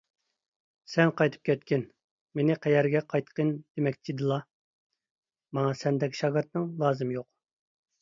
_ سەن قايتىپ كەتكىن! − مېنى قەيەرگە قايتقىن دېمەكچىدىلا؟ − ماڭا سەندەك شاگىرتنىڭ لازىمى يوق!